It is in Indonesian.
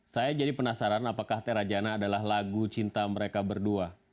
saya jadi penasaran apakah terajana adalah lagu cinta mereka berdua